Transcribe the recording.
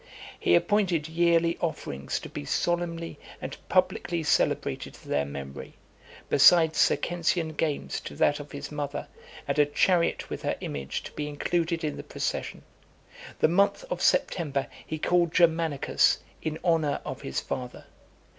He appointed yearly offerings to be solemnly and publicly celebrated to their memory, besides Circensian games to that of his mother, and a chariot with her image to be included in the procession . The month of September he called Germanicus, in honour of his father.